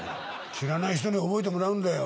知らない人に覚えてもらうんだよ。